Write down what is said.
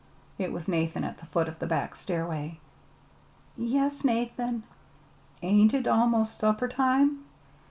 It was Nathan at the foot of the back stairway. "Yes, Nathan." "Ain't it 'most supper time?"